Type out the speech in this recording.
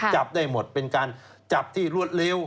จับได้หมดเป็นการจับที่รวดเร็ว